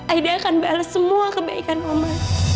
aida akan balas semua kebaikan oma